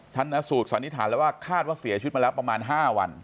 ชนะสูตรสันนิษฐานแล้วว่าคาดว่าเสียชีวิตมาแล้วประมาณ๕วัน